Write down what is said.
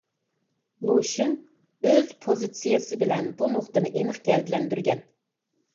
لۇشۈن ئۆز پوزىتسىيەسى بىلەن بۇ نۇقتىنى ئېنىق گەۋدىلەندۈرگەن.